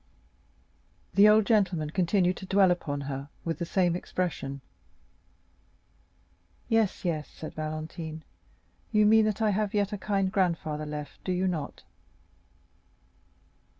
The old gentleman continued to dwell upon her with the same expression. "Yes, yes," said Valentine, "you mean that I have yet a kind grandfather left, do you not."